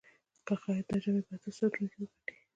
که خیاط دا جامې په اتو ساعتونو کې وګنډي.